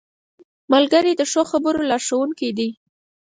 ملګری د ښو خبرو لارښوونکی دی